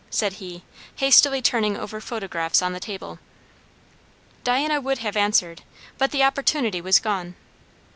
said he, hastily turning over photographs on the table. Diana would have answered, but the opportunity was gone.